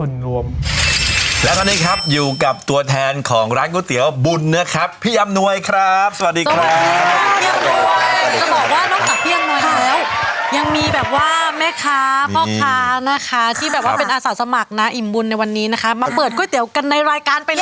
จะบอกว่านอกจากพี่อำนวยแล้วยังมีแบบว่าแม่ค้าพ่อค้านะคะที่แบบว่าเป็นอาสาสมัครนะอิ่มบุญในวันนี้นะคะมาเปิดก๋วยเตี๋ยวกันในรายการไปเลย